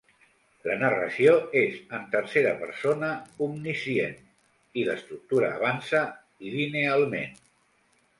La narració és en tercera persona omniscient i l'estructura avança linealment.